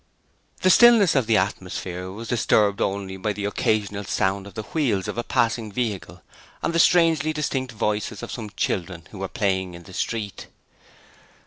The stillness of the atmosphere was disturbed only by the occasional sound of the wheels of a passing vehicle and the strangely distinct voices of some children who were playing in the street.